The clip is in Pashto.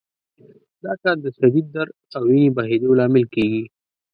دا کار د شدید درد او وینې بهېدو لامل کېږي.